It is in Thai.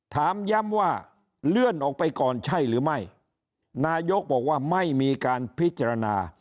ถามย้ำว่าเลื่อนออกไปก่อนใช่หรือไม่นายกบอกว่าไม่มีการพิจารณา